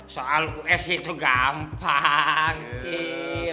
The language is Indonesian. soal us itu gampang kecil